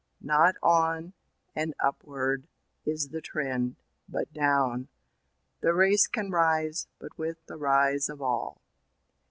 Not on, and upward, is the trend, but down; The Race can rise but with the rise of all.